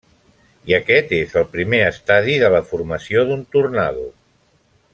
I aquest és el primer estadi de la formació d'un tornado.